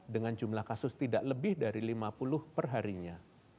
dengan jumlah kasus tidak lebih dari lima puluh perharinya